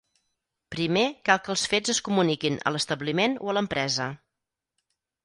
Primer cal que els fets es comuniquin a l'establiment o a l'empresa.